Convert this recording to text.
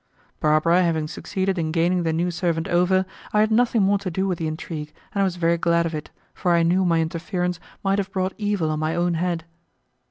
Barbara having succeeded in gaining the new servant over, I had nothing more to do with the intrigue, and I was very glad of it, for I knew my interference might have brought evil on my own head.